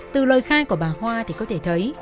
từ lời khai của bà hoa thì có thể thấy